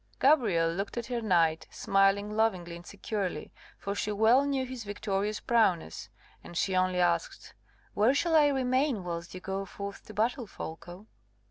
Gabrielle looked on her knight, smiling lovingly and securely, for she well knew his victorious prowess; and she only asked, "Where shall I remain, whilst you go forth to battle, Folko?"